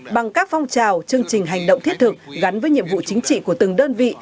bằng các phong trào chương trình hành động thiết thực gắn với nhiệm vụ chính trị của từng đơn vị